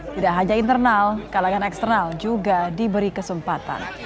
tidak hanya internal kalangan eksternal juga diberi kesempatan